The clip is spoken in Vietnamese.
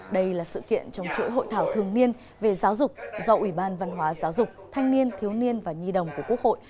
đây là sự kiện trong chuỗi hội thảo thường niên về giáo dục do ủy ban văn hóa giáo dục thanh niên thiếu niên và nhi đồng của quốc hội